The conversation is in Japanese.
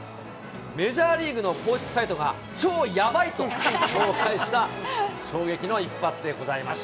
メジャーリーグの公式サイトが、超ヤバイ！と紹介した衝撃の一発でございました。